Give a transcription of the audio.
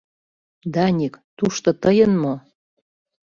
— Даник, тушто тыйын мо?